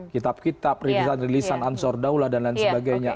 kitab kitab rilisan rilisan ansor daulah dan lain sebagainya